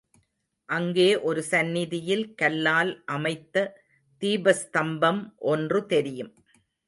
அங்கே ஒரு சந்நிதியில் கல்லால் அமைத்த தீபஸ்தம்பம் ஒன்று தெரியும்.